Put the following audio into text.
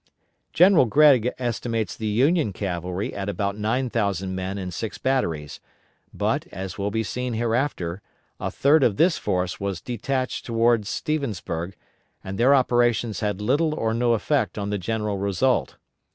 General Gregg estimates the Union cavalry at about nine thousand men and six batteries, but as will be seen hereafter a third of this force was detached toward Stevensburg, and their operations had little or no effect on the general result.